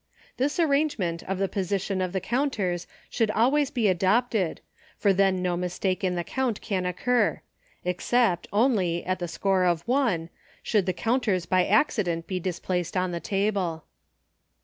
This arrangement of the position of the counters should always be adopted, for then no mistake in the count can occur — except, only, at the score of one — should the count ers by accident be displaced on the table.